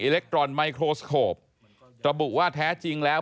เล็กตรอนไมโครสโคประบุว่าแท้จริงแล้ว